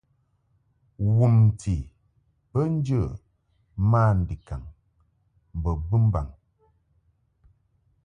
Wumti bə njə mandikaŋ mbo bumbaŋ.